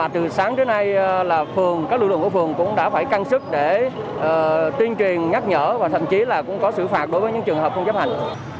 trước nay là các lực lượng của phường cũng đã phải căng sức để tuyên truyền nhắc nhở và thậm chí là cũng có xử phạt đối với những trường hợp không chấp hành